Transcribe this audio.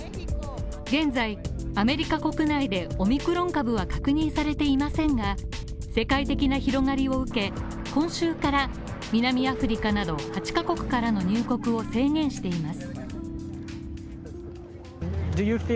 現在、アメリカ国内でオミクロン株が確認されていませんが、世界的な広がりを受け、今週から南アフリカなど８ヶ国からの入国を制限しています